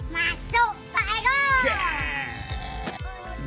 masuk pak eko